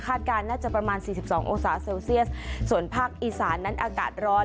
การน่าจะประมาณสี่สิบสององศาเซลเซียสส่วนภาคอีสานนั้นอากาศร้อน